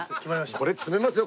これ詰めますよ